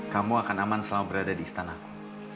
kamu akan aman selama berada di istanaku